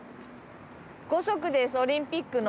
５色です、オリンピックの。